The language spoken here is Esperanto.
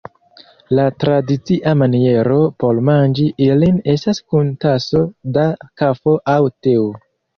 La tradicia maniero por manĝi ilin estas kun taso da kafo aŭ teo.